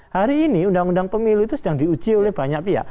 hari ini undang undang pemilu itu sedang diuji oleh banyak pihak